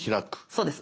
そうです。